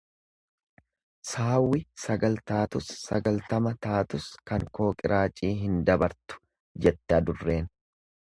Saawwi sagal taatus sagaltama taatus kan koo qiraacii hin dabartu jette adurreen.